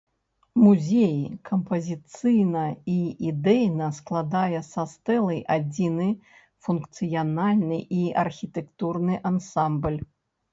Музей кампазіцыйна і ідэйна складае са стэлай адзіны функцыянальны і архітэктурны ансамбль.